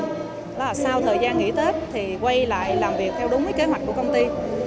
đó là sau thời gian nghỉ tết thì quay lại làm việc theo đúng cái kế hoạch của công ty